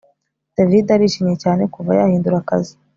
David arishimye cyane kuva yahindura akazi